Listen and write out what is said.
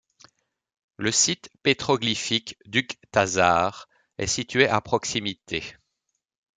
Le site pétroglyphique d'Ughtasar est situé à proximité.